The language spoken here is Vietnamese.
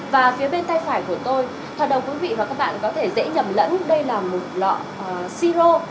và phía bên tay phải của tôi phần đầu quý vị và các bạn có thể dễ nhầm lẫn đây là một lọ si rô